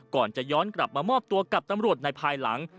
ก่อนจะย้อนกลับมามอบตัวกับตำรวจในภายหลัง